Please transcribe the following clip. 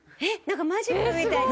なんかマジックみたい！